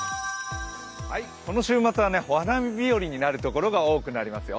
この週末はお花見日和になるところが多くなりますよ。